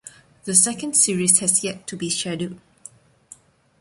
The second series has yet to be scheduled.